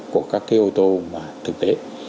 của các cái ô tô mà thực tế